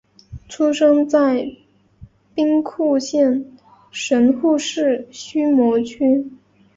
出生在兵库县神户市须磨区。